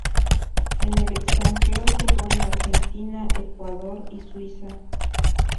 En el extranjero jugó en Argentina, Ecuador y Suiza.